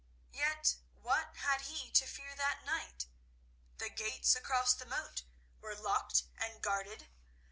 Yet what had he to fear that night? The gates across the moat were locked and guarded.